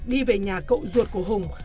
đi về nhà cậu ruột của hùng